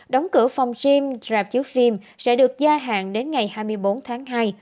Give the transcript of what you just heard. đóng cửa phòng gym rạp chiếu phim sẽ được gia hạn đến ngày hai mươi bốn tháng hai